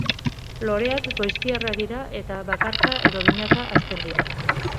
Loreak goiztiarrak dira eta bakarka edo binaka hazten dira.